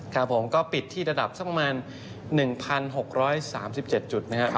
ครับผมก็ปิดที่ระดับสักประมาณ๑๖๓๗จุดนะครับ